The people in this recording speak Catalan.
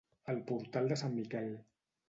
El portal de Sant Miquel.